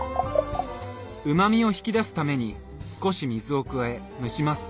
うまみを引き出すために少し水を加え蒸します。